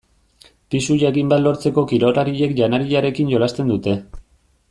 Pisu jakin bat lortzeko kirolariek janariarekin jolasten dute.